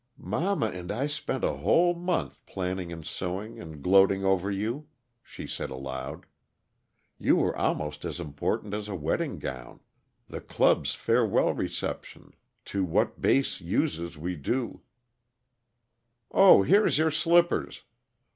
"Mamma and I spent a whole month planning and sewing and gloating over you," she said aloud. "You were almost as important as a wedding gown; the club's farewell reception 'To what base uses we do '" "Oh, here's your slippers!"